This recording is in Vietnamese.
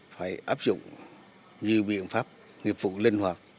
phải áp dụng nhiều biện pháp nghiệp vụ linh hoạt